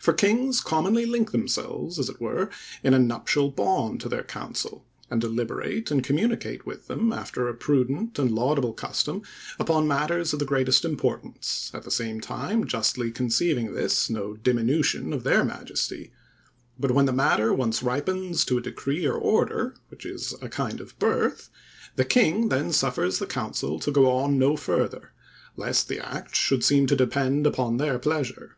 For kings commonly link themselves, as it were, in a nuptial bond to their council, and deliberate and communicate with them after a prudent and laudable custom upon matters of the greatest importance, at the same time justly conceiving this no diminution of their majesty; but when the matter once ripens to a decree or order, which is a kind of birth, the king then suffers the council to go on no further, lest the act should seem to depend upon their pleasure.